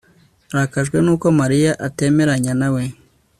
arakajwe nuko mariya atemeranya nawe